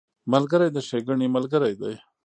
ملګری د ښېګڼې ملګری دی